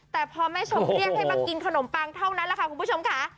แต่พอแม่ชมเรียกให้มากินขนมปังเท่านั้นแหละค่ะคุณผู้ชมค่ะ